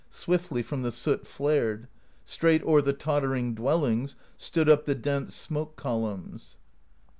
Swiftly from the soot flared; Straight o'er the tottering dwellings Stood up the dense smoke columns.